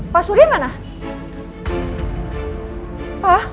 pak surya gak nah